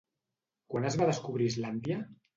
Quan es va descobrir Islàndia?